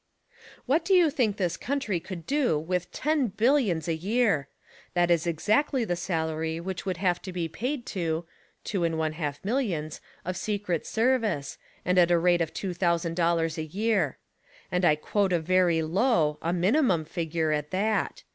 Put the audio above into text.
What do you think this country could do with TEN BILLIONS a year? That is exactly the salary which would have to be paid to (Two and one half millions) of secret service, and at a rate of TWO THOUSAND DOL LARS a year. And I quote a very low, a minimum figure, at that.